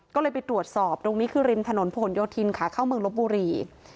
ก็เลยไปตรวจสอบตรงนี้คือริมถนนผนโยธินขาเข้าเมืองลบบุรี